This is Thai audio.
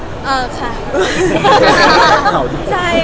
เอ่อใช่